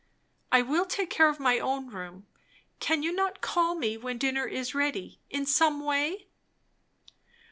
"I will take care of my own room. Cannot you call me when dinner is ready, in some way?"